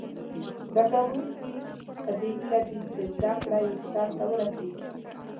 زده کوونکي په دې هیله وي چې زده کړه یې سرته ورسیږي.